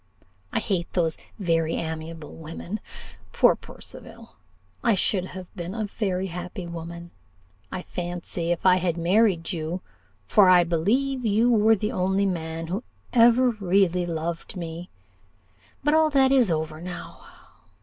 I hate those very amiable women. Poor Percival! I should have been a very happy woman, I fancy, if I had married you for I believe you were the only man who ever really loved me; but all that is over now!